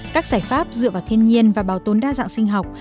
các giải pháp dựa vào thiên nhiên và bảo tồn đa dạng sinh học